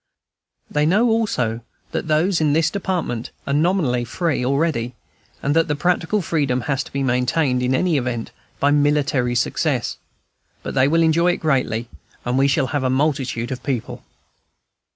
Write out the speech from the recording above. They know also that those in this Department are nominally free already, and that the practical freedom has to be maintained, in any event, by military success. But they will enjoy it greatly, and we shall have a multitude of people.